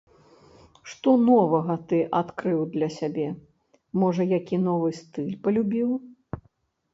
Што новага ты адкрыў для сябе, можа, які новы стыль палюбіў?